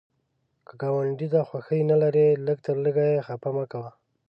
که ګاونډي ته خوښي نه لرې، لږ تر لږه یې خفه مه کوه